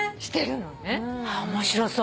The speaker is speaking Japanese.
面白そう。